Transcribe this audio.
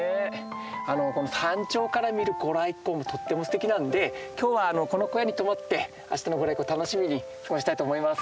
あの山頂から見るご来光もとってもすてきなんで今日はこの小屋に泊まって明日のご来光楽しみに過ごしたいと思います。